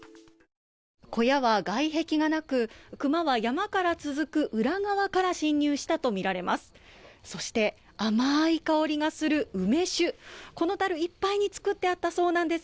小屋は外壁がなく、熊は山から続く裏側から侵入したとみられます。